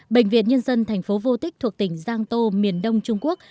bệnh viện nhân dân thành phố vô tích thuộc tỉnh giang tô miền đông trung quốc